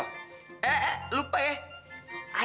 eh eh lupa ya